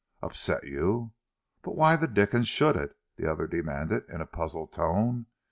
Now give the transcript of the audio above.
"Upset you? But why the dickens should it?" the other demanded, in a puzzled tone.